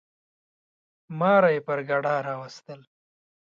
ماره یي پر ګډا راوستل.